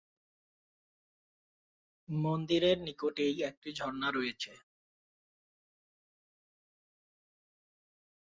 মন্দিরের নিকটেই একটি ঝরনা রয়েছে।